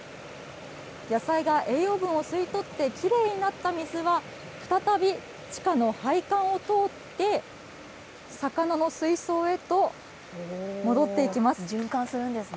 野菜が栄養分を吸い取ってきれいになった水は、再び地下の配管を通って、循環するんですね。